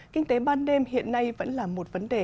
kinh tế ban đêm hiện nay vẫn là một vấn đề